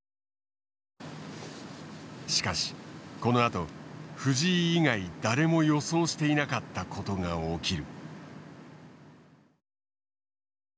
しかしこのあと藤井以外誰も予想していなかったことが起きる。